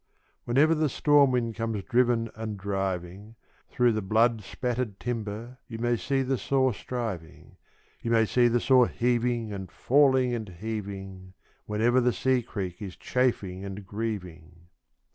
Whenever the storm wind comes driven and driving, Through the blood spattered timber you may see the saw striving You may see the saw heaving, and falling, and heaving, Whenever the sea creek is chafing and grieving!